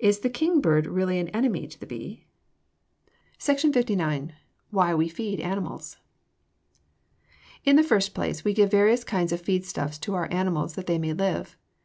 Is the kingbird really an enemy to the bee? SECTION LIX. WHY WE FEED ANIMALS In the first place, we give various kinds of feed stuffs to our animals that they may live.